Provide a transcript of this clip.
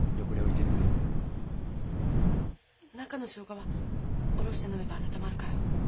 中の生姜は下ろして飲めば温まるから。